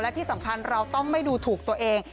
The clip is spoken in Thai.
ที่สำคัญเราต้องไม่ดูถูกตัวเอง